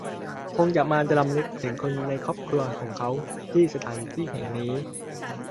คงอยากมารำลึกถึงคนในครอบครัวของเขา ที่สถานที่แห่งนี้